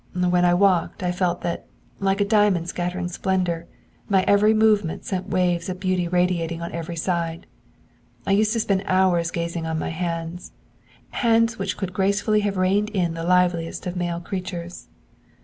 'When I walked, I felt that, like a diamond scattering splendour, my every movement set waves of beauty radiating on every side. I used to spend hours gazing on my hands hands which could gracefully have reined the liveliest of male creatures.